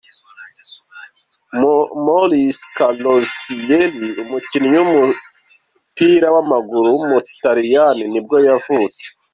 Moris Carrozzieri, umukinnyi w’umupira w’amaguru w’umutaliyani nibwo yavutse.